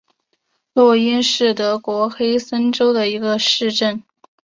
洛因是德国黑森州的一个市镇。